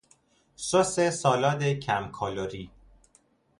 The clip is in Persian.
سس سالاد کم کالری